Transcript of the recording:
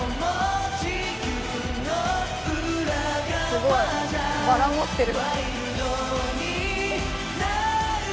すごいバラ持ってる。